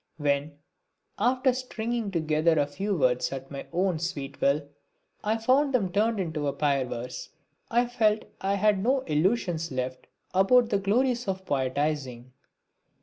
When, after stringing together a few words at my own sweet will, I found them turned into a payar verse I felt I had no illusions left about the glories of poetising.